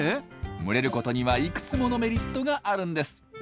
群れることにはいくつものメリットがあるんです。